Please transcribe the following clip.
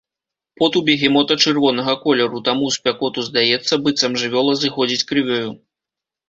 Пот у бегемота чырвонага колеру, таму ў спякоту здаецца, быццам жывёла зыходзіць крывёю.